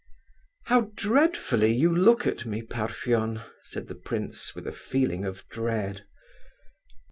"How dreadfully you look at me, Parfen!" said the prince, with a feeling of dread.